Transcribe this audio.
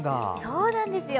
そうなんですよ。